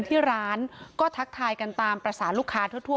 ทางร้านก็ทักทายกันทามประสานลูกค้าทั่ว